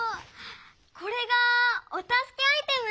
これがおたすけアイテム？